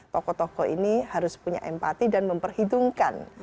toko toko ini harus punya empati dan memperhitungkan